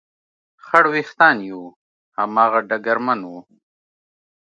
خړ وېښتان یې و، هماغه ډګرمن و.